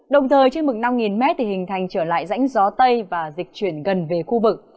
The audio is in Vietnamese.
đồng thời trên mực năm m thì hình thành trở lại rãnh gió tây và dịch chuyển gần về khu vực